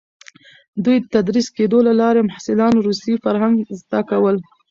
د دوی تدریس کېدو له لارې محصلان روسي فرهنګ زده کول.